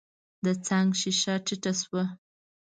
د څنګ ښېښه ټيټه شوه.